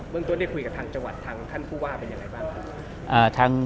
เมืองต้นได้คุยกับทางจังหวัดทางท่านผู้ว่าเป็นยังไงบ้างครับ